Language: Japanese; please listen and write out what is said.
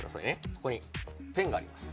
ここにペンがあります